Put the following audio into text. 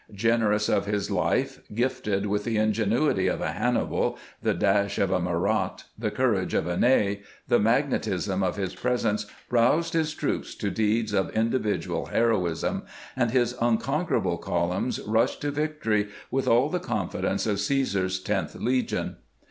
Generous of his life, gifted with the ingenuity of a Hannibal, the dash of a Murat, the courage of a Key, the magnetism of his presence roused his troops to deeds of individual heroism, and his unconquerable columns rushed to victory with all the confidence of Caesar's Tenth Legion.